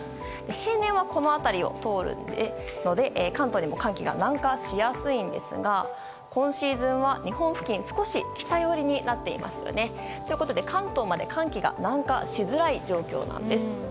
平年は、この辺りを通るので関東にも寒気が南下しやすいんですが今シーズンは日本付近少し北寄りになっていますよね。ということで関東まで寒気が南下しづらい状況なんです。